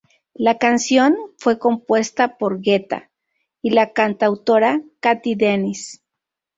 La canción fue compuesta por Guetta y la cantautora Cathy Dennis.